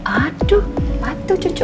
aduh patuh cucu